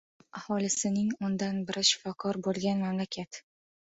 Aholisining o‘ndan biri shifokor bo‘lgan mamlakat